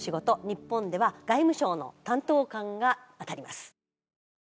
日本では外務省の担当官が当たります。